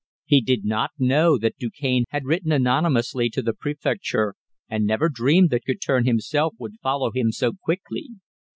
He did not know that Du Cane had written anonymously to the Préfecture, and never dreamed that Guertin himself would follow him so quickly.